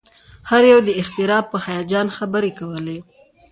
هر یو د اختراع په هیجان خبرې کولې